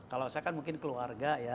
kalau saya kan mungkin keluarga ya